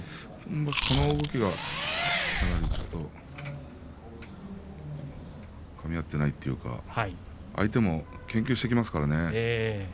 この動きが、ちょっとかみ合っていないというか相手も研究してきますからね。